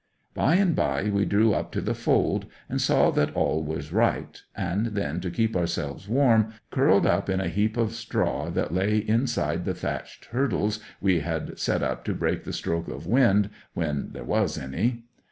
'By and by we drew up to the fold, saw that all was right, and then, to keep ourselves warm, curled up in a heap of straw that lay inside the thatched hurdles we had set up to break the stroke of the wind when there was any.